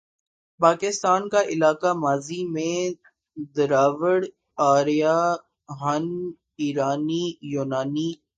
پاکستان کا علاقہ ماضی میں دراوڑ، آریا، ہن، ایرانی، یونانی،